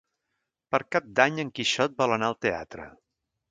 Per Cap d'Any en Quixot vol anar al teatre.